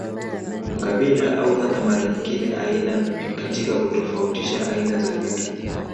Mkabila au hata mara nyingine aina katika kutofautisha aina za vitu